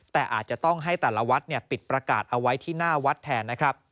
แต่อาจจะต้องให้แต่ละวัดปิดประกาศเอาไว้ที่หน้าวัดแทนนะครับ